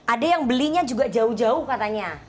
ada yang belinya juga jauh jauh katanya